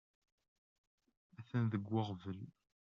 Atan deg uɣbel.